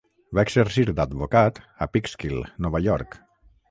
Va exercir d'advocat a Peekskill, Nova York.